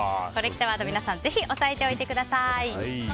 コレきたワード、皆さんぜひ押さえておいてください。